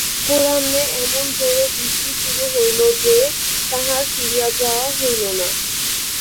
অপরাহ্নে এমন জোরে বৃষ্টি শুরু হইল যে, তাঁহার ফিরিয়া যাওয়া হইল না।